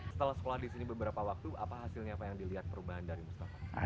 setelah sekolah di sini beberapa waktu apa hasilnya pak yang dilihat perubahan dari mustafa